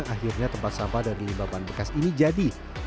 akhirnya tempat sampah dari limbah ban bekas ini jadi